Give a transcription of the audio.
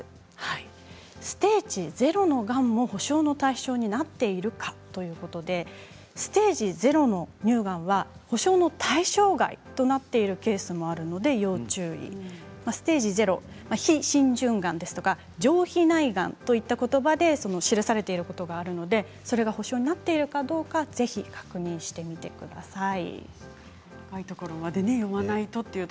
ステージ０のがんも保障の対象になっているかということでステージ０の乳がんは保障の対象外となっているケースもあるので要注意ステージ０、非浸潤がんですとか上皮がんといったことばで記されることがあるので保障になっているかどうか確認してみてください。